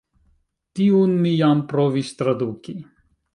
Tiun mi jam provis traduki.